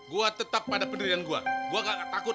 gue tetap pada pendirian gue gue gak takut